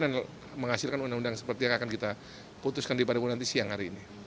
dan menghasilkan undang undang seperti yang akan kita putuskan di paripurna nanti siang hari ini